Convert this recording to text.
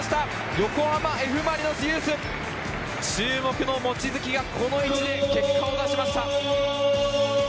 横浜Ｆ・マリノスユース、注目の望月がこの位置で結果を出しました。